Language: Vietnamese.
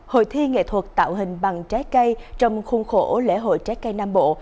hội thi nghệ thuật tạo hình bằng trái cây trong khuôn khổ lễ hội trái cây nam bộ